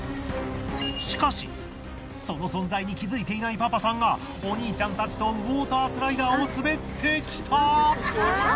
しかしその存在に気づいていないパパさんがお兄ちゃんたちとウォータースライダーを滑ってきた！